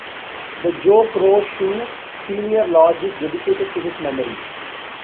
The Joe Crow Shoe Senior Lodge is dedicated to his memory.